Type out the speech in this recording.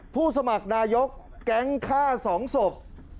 ผู้สมัครนายกแก๊งฆ่าสองศพ